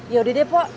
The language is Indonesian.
ya udah deh po